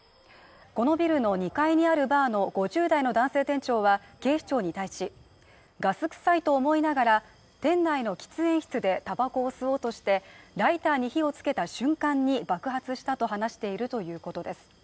このビルの２階にあるバーの５０代の男性店長は警視庁に対し、ガス臭いと思いながら店内の喫煙室でタバコを吸おうとしてライターに火をつけた瞬間に爆発したと話しているということです。